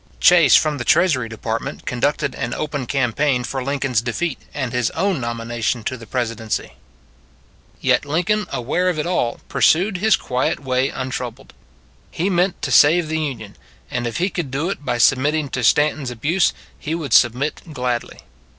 Chase from the Treasury Department conducted an open campaign for Lincoln s defeat and his own nomination to the Pres idency. Yet Lincoln aware of it all pur sued his quiet way untroubled. He meant to save the Union; and if he could do it by submitting to Stanton s abuse, he would submit gladly.